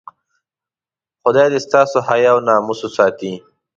خدای دې ستاسو حیا او ناموس وساتي.